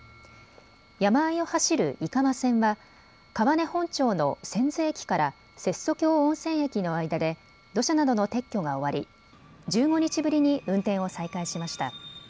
山あいを走る井川線は川根本町の千頭駅から接岨峡温泉駅の間で土砂などの撤去が終わり１５日ぶりに運転を再開しました。